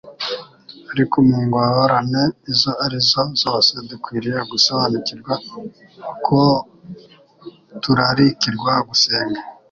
ariko mu ngorane izo ari zo zose dukwiriye gusobanukirwa ko turarikirwa gusenga.